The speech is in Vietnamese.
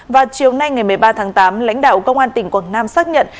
vào chiều nay ngày một mươi ba tháng tám lãnh đạo công an tỉnh quảng nam xác nhận